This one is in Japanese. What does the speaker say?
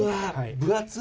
分厚い！